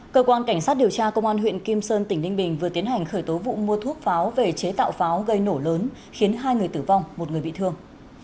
cơ quan cảnh sát điều tra công an huyện kim sơn tỉnh ninh bình vừa tiến hành khởi tố vụ mua thuốc pháo về chế tạo pháo gây nổ lớn khiến hai người tử vong một người bị thương